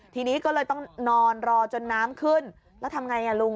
ทีนี้ก็เลยต้องนอนรอจนน้ำขึ้นแล้วทำไงลุง